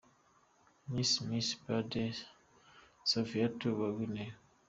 Miss Miss Balde Safiatou wa Guinea.